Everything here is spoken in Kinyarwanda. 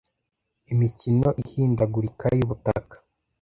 Imikino ihindagurika yubutaka